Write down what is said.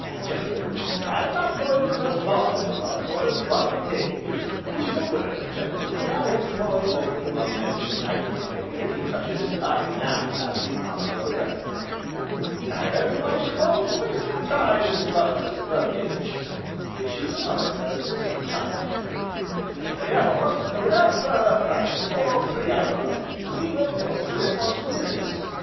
Gentlemen, I am not going to burst forth into laudatory rodomontade, (which is a word, gentlemen that I employ only among an enlightened community such as I now have the honour of addressing), neither do I propose to waste your time in purposeless verbiage, (which is another of the same kind, gentlemen), therefore, without further preface, or preamble, we will proceed at once to business.